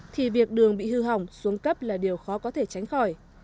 thì việc đường bị hư hỏng xuống cấp là điều khó có thể tránh khỏi